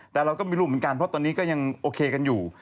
แต่เราก็ไม่รู้เหมือนกันเพราะตอนนี้ก็ยังโอเคกันอยู่